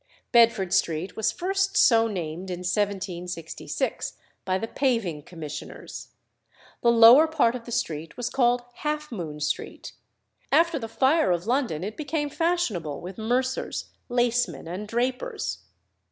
Bedford Street was first so named in 1766 by the Paving Commissioners. The lower part of the street was called Half Moon Street; after the fire of London it became fashionable with mercers, lacemen, and drapers.